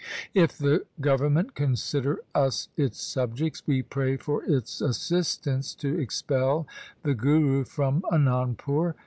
If the govern ment consider us its subjects, we pray for its assist ance to expel the Guru from Anandpur.